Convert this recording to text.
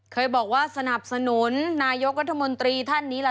เคยบอกว่าสนับสนุนนายกรัฐมนตรีท่านนี้ล่ะ